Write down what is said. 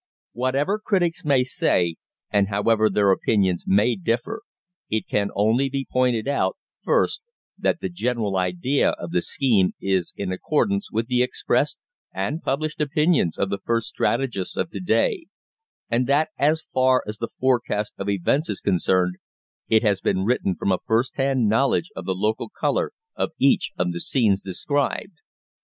Whatever critics may say, and however their opinions may differ, it can only be pointed out, first, that the "general idea" of the scheme is in accordance with the expressed and published opinions of the first strategists of to day, and that, as far as the forecast of events is concerned, it has been written from a first hand knowledge of the local colour of each of the scenes described.